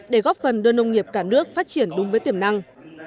để góp phần đưa nông nghiệp cả nước phát triển đúng với tiềm năng